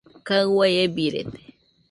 Kaɨ uai ebirede.